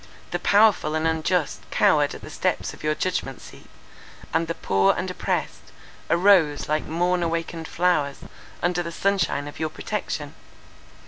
The powerful and unjust cowered at the steps of your judgment seat, and the poor and oppressed arose like morn awakened flowers under the sunshine of your protection.